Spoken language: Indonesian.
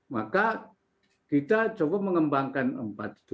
maka kita coba mengembangkan empat itu